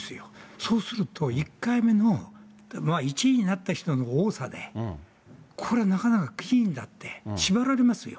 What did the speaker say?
そうすると１回目の、というか１位になった人の多さで、これはなかなか議員だって、縛られますよ。